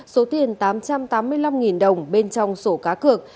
số tiền tám trăm tám mươi năm đồng bên trong sổ cá cược